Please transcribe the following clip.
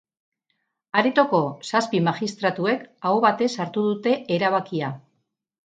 Aretoko zazpi magistratuek aho batez hartu dute erabakia.